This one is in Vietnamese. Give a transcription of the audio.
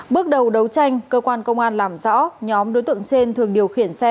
bước đầu đấu tranh cơ quan công an làm rõ nhóm đối tượng trên thường điều khiển xe